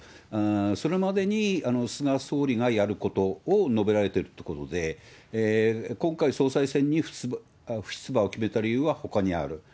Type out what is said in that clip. それまでに菅総理がやることを述べられているってことで、今回、総裁選に不出馬を決めた理由はほかにある。